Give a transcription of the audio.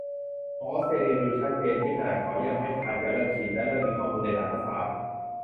ของออสเตรเลีย ดูชัดเจน นี่ขนาดเค้ายังไม่ทันจะเริ่มฉีด และมีข้อมูลในหลายภาษา